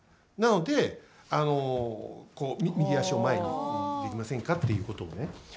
なので、右足を前にできませんかっていうことをね。